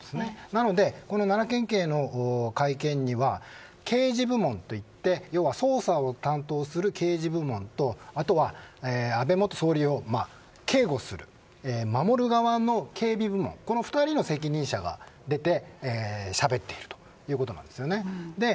なので、奈良県警の会見には刑事部門といって捜査を担当する刑事部門とあとは安倍元総理を警護する、守る側の警備部門この２人の責任者が出てしゃべっているということなんですよね。